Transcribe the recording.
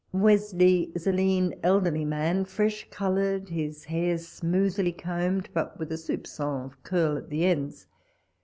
Wesley is a lean elderly man, fresh coloured, his hair smoothly combed, but with a soup^oii of curl at the ends.